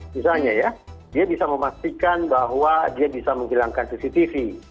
misalnya ya dia bisa memastikan bahwa dia bisa menghilangkan cctv